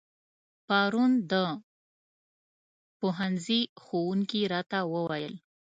پرون د پوهنځي ښوونکي راته و ويل